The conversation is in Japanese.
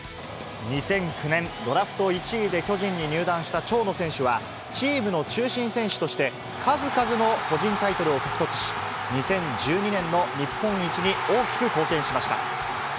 ２００９年、ドラフト１位で巨人に入団した長野選手は、チームの中心選手として、数々の個人タイトルを獲得し、２０１２年の日本一に大きく貢献しました。